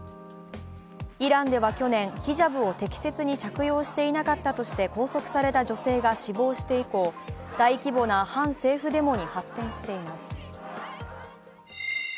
イランでは去年、ヒジャブを適切に着用していなかったとして拘束された女性が死亡して以降、大規模な反政府デモに発展しています。